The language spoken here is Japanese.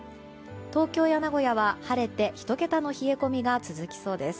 東京や名古屋は晴れて１桁の冷え込みが続きそうです。